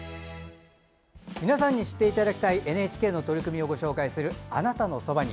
皆さんに知っていただきたいＮＨＫの取り組みをご紹介する「あなたのそばに」。